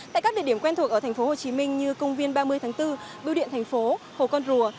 tại các địa điểm quen thuộc ở thành phố hồ chí minh như công viên ba mươi tháng bốn biêu điện thành phố hồ con rùa